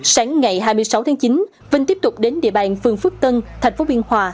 sáng ngày hai mươi sáu tháng chín vinh tiếp tục đến địa bàn phường phước tân tp biên hòa